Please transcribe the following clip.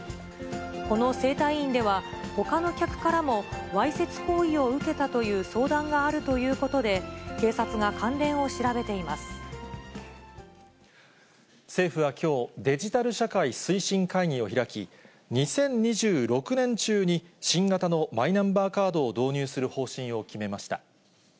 この整体院では、ほかの客からも、わいせつ行為を受けたという相談があるということで、警察が関連政府はきょう、デジタル社会推進会議を開き、２０２６年中に新型のマイナンバーカードを導入する方針を決めました。